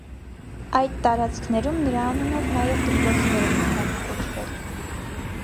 Այդ տարածքներում նրա անունով նաև դպրոցներ են անվանակոչվել։